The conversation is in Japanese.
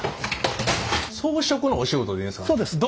装飾のお仕事でいいですか？